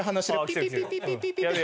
ピピピピピピピ。